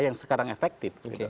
yang sekarang efektif